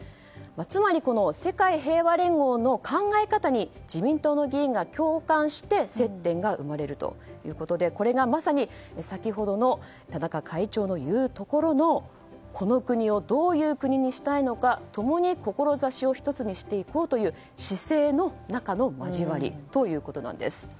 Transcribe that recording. つまり世界平和連合の考え方に自民党の議員が共感して接点が生まれるということでこれがまさに先ほどの田中会長の言うところのこの国をどういう国にしたいのか共に志を一つにしていこうという姿勢の中の交わりということなんです。